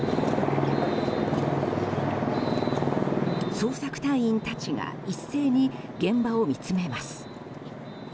捜索隊員たちが一斉に現場を見つめます。